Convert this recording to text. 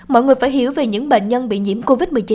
mọi người phải hiểu về những bệnh nhân bị nhiễm covid một mươi chín